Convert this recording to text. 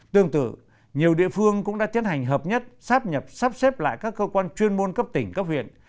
tương tự nhiều địa phương cũng đã tiến hành hợp nhất sáp nhập sắp xếp lại các cơ quan chuyên môn cấp tỉnh cấp huyện